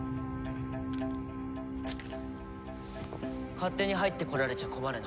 勝手に入ってこられちゃ困るな。